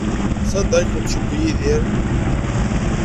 Sanda ay tent-yewwi Yidir?